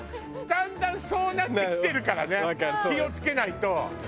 だんだんそうなってきてるからね気を付けないと。